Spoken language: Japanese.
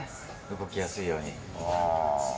動きやすいように。